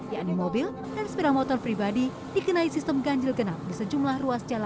yakni mobil dan sepeda motor pribadi dikenai sistem ganjil genap di sejumlah ruas jalan